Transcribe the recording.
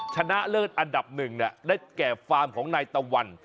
ชนะเลิศอันดับหนึ่งได้แก่ฟาร์มของนายตะวัน